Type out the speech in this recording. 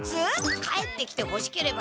帰ってきてほしければ。